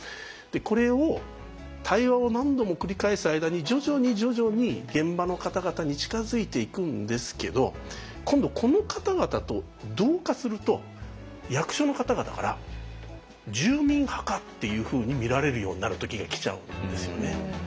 これを対話を何度も繰り返す間に徐々に徐々に現場の方々に近づいていくんですけど今度この方々と同化すると役所の方々から「住民派か」っていうふうに見られるようになる時が来ちゃうんですよね。